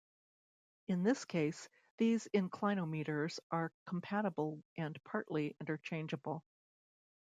In this case, these inclinometers are compatible and partly interchangeable.